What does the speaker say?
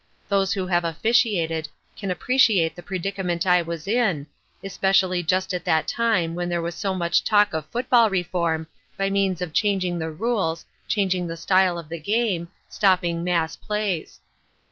Those who have officiated can appreciate the predicament I was in, especially just at that time when there was so much talk of football reform, by means of changing the rules, changing the style of the game, stopping mass plays.